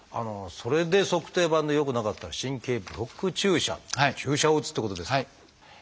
それで足底板で良くなかったら神経ブロック注射っていう注射を打つってことですか？